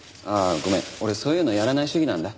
俺そういうのやらない主義なんだ。